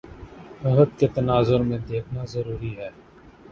عہد کے تناظر میں دیکھنا ضروری ہے